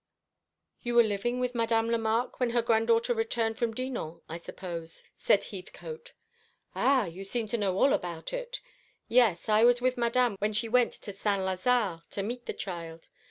"You were living with Madame Lemarque when her granddaughter returned from Dinan, I suppose?" said Heathcote. "Ah, you seem to know all about it. Yes, I was with Madame when she went to Saint Lazare to meet the child.